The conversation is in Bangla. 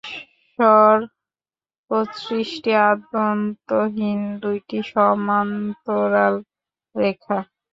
ঈশ্বর ও সৃষ্টি আদ্যন্তহীন দুইটি সমান্তরাল রেখা।